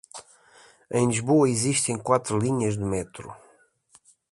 Em Lisboa, existem quatro linhas de metro.